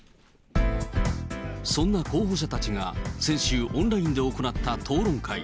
そんな候補者たちが先週、オンラインで行った討論会。